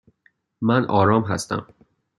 من آرام هستم.